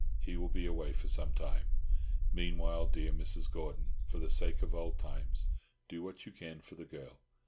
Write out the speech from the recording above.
He will be away for some time. Meanwhile, dear Mrs. Gordon, for the sake of old times, do what you can for the girl.